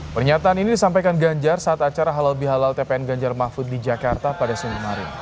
pernyataan ini disampaikan ganjar saat acara halal bihalal tpn ganjar mahfud di jakarta pada senin kemarin